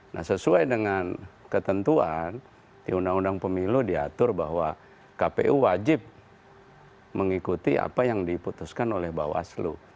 nah sesuai dengan ketentuan di undang undang pemilu diatur bahwa kpu wajib mengikuti apa yang diputuskan oleh bawaslu